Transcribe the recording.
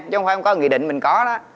chứ không phải không có nghị định mình có đó